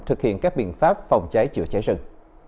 thực hiện các biện pháp phòng cháy chữa cháy rừng